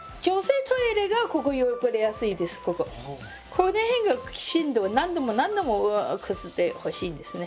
この辺がきちんと何度も何度もこすってほしいんですね。